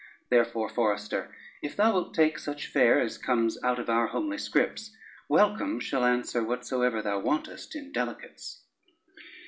Therefore, forester, if thou wilt take such fare as comes out of our homely scrips, welcome shall answer whatsoever thou wantest in delicates."